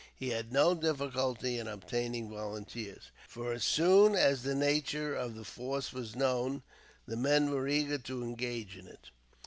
He had no difficulty in obtaining volunteers, for as soon as the nature of the force was known, the men were eager to engage in it.